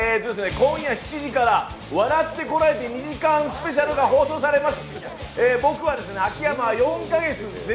今夜７時から『笑ってコラえて！』２時間スペシャルが放送されます。